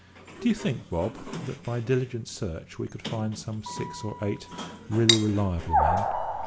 Do you think, Bob, that by diligent search we could find some six or eight really reliable men?